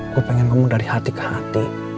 gue pengen ngomong dari hati ke hati